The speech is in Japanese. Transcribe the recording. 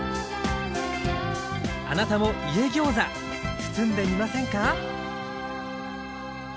あなたも「家ギョーザ」包んでみませんか？